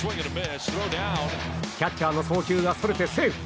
キャッチャーの送球がそれてセーフ。